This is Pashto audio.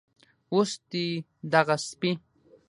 اوس دې دغه سپي